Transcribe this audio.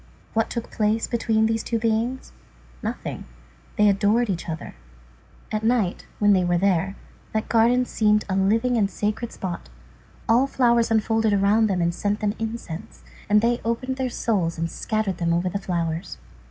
What took place between these two beings? Nothing. They adored each other. At night, when they were there, that garden seemed a living and a sacred spot. All flowers unfolded around them and sent them incense; and they opened their souls and scattered them over the flowers.